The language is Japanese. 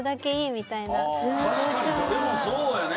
確かにどれもそうやね。